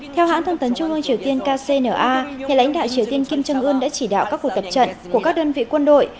theo hãng thông tấn trung ương triều tiên kcna nhà lãnh đạo triều tiên kim trương ươn đã chỉ đạo các cuộc tập trận của các đơn vị quân đội